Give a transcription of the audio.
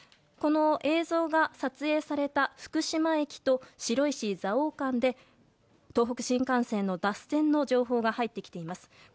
この映像が撮影された福島駅と白石蔵王駅の間で東北新幹線の脱線の情報が入ってきています。